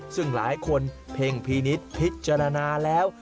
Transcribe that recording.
ซึ่งหลายคนเพ็งพินิษฐ์พิจารณาแล้ว